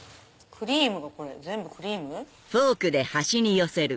クリームは全部クリーム？